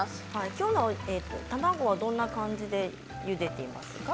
今日の卵はどんな感じでゆでていますか？